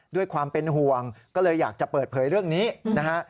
ด้วยความเป็นห่วงก็เลยอยากจะเปิดเผยเรื่องนี้นะฮะ